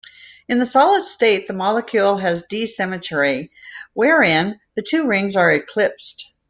In the solid-state, the molecule has D symmetry, wherein the two rings are eclipsed.